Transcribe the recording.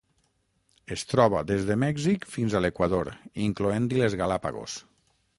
Es troba des de Mèxic fins a l'Equador, incloent-hi les Galápagos.